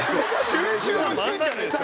旬中の旬じゃないですか。